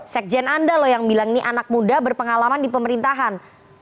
sekjen anda loh yang bilang ini anak muda berpengalaman di pemerintahan